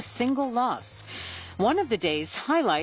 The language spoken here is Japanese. はい。